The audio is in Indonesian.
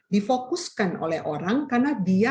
difokuskan oleh orang karena dia tidak mengandalkan